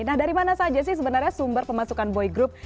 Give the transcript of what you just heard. nah dari mana saja sih sebenarnya sumber pemasukan boy group